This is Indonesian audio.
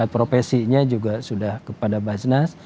profesinya juga sudah kepada basnas